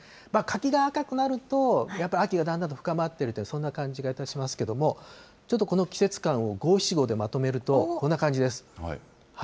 柿が赤くなると、やっぱり秋がだんだんと深まっていると、そんな感じがいたしますけれども、ちょっとこの季節感を五・七・五でまとめると、こんな感じです。